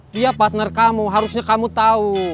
dia partner kamu harusnya kamu tahu